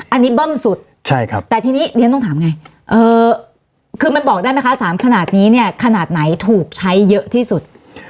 อันนี้เบิ้มสุดแต่ทีนี้เรียนต้องถามไงคือมันบอกได้ไหมคะ๓ขนาดนี้เนี่ยขนาดไหนถูกใช้เยอะที่สุด